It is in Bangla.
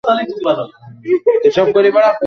তিনি প্রায় দুই হাজার গান রচনা করেছিলেন।